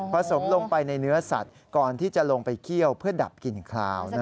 สมลงไปในเนื้อสัตว์ก่อนที่จะลงไปเคี่ยวเพื่อดับกลิ่นคลาว